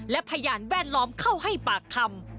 และพยานแวดล้อมเข้าให้ปากคำ